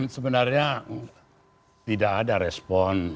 sebenarnya tidak ada respon